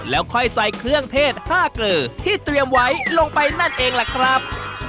แล้วค่อยใส่เครื่องเทศ๕เกลือที่เตรียมไว้ลงไปนั่นเองล่ะครับ